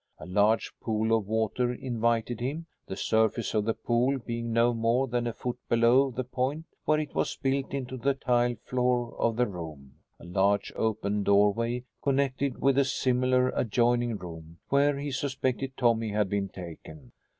A large pool of water invited him, the surface of the pool being no more than a foot below the point where it was built into the tile floor of the room. A large open doorway connected with a similar adjoining room, where he suspected Tommy had been taken.